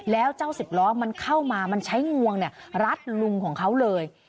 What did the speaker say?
แล้วเจ้าสิบล้อมันเข้ามามันใช้งวงรัดลุงของเขาเลย